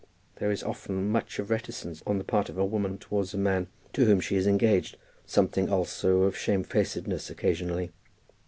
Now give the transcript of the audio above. There is often much of reticence on the part of a woman towards a man to whom she is engaged, something also of shamefacedness occasionally.